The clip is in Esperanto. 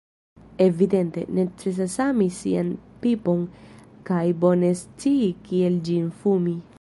Evidente, necesas ami sian pipon kaj bone scii kiel ĝin fumi...